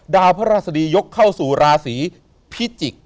ดาวพระราชดียกเข้าสู่ราศีพิจิกษ์